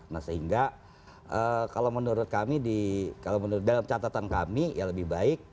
nah sehingga kalau menurut kami kalau menurut dalam catatan kami ya lebih baik